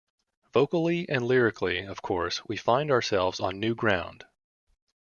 Vocally and lyrically, of course, we find ourselves on new ground.